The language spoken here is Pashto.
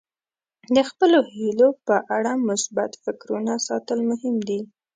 د خپلو هیلو په اړه مثبت فکرونه ساتل مهم دي.